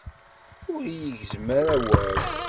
Ur yi-gezzem ara awal.